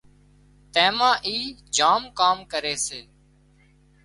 تيمان اي جام ڪام ڪري سي